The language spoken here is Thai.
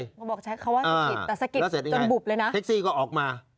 เขาบอกใช้คำว่าสกิดแต่สกิดจนบุบเลยนะแล้วเสร็จยังไงเท็กซี่ก็ออกมา